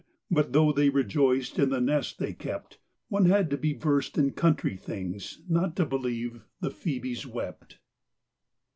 But though they rejoiced in the nest they kept. One had to be versed in country things Not to believe the phcebes wept.